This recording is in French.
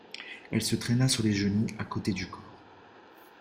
Elle se traîna sur les genoux à côté du corps.